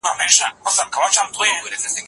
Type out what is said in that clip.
په ناحقه د بل مال خوړل لويه ګناه ده.